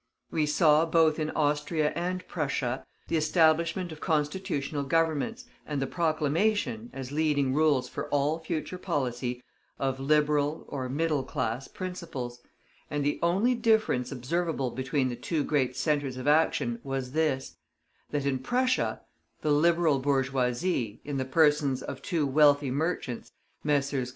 We saw, both in Austria and Prussia, the establishment of constitutional governments and the proclamation, as leading rules for all future policy, of Liberal, or middle class principles; and the only difference observable between the two great centers of action was this, that in Prussia the liberal bourgeoisie, in the persons of two wealthy merchants, Messrs.